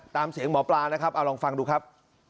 ตามเสียงหมอปลานะครับเอาลองฟังดูครับ